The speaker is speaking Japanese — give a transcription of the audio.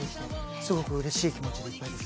すごくうれしい気持ちでいっぱいです。